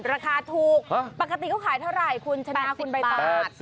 ราคาถูกปกติเขาขายเท่าไหร่คุณชนะคุณใบตอง